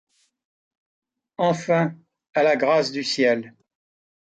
Enfin, à la grâce du Ciel!